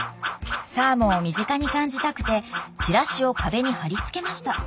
サーモンを身近に感じたくてチラシを壁に貼り付けました。